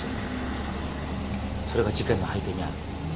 それが事件の背景にある。